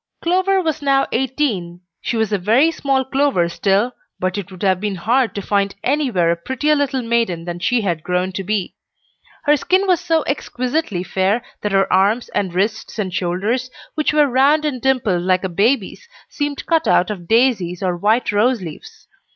Clover was now eighteen. She was a very small Clover still, but it would have been hard to find anywhere a prettier little maiden than she had grown to be. Her skin was so exquisitely fair that her arms and wrists and shoulders, which were round and dimpled like a baby's, seemed cut out of daisies or white rose leaves.